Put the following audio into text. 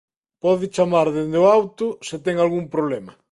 Pode chamar dende o auto se ten algún problema...